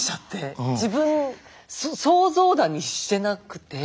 自分想像だにしてなくて。